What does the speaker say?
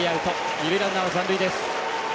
二塁ランナーは残塁です。